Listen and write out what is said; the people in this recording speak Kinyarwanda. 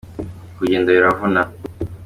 Kugenda biravuna.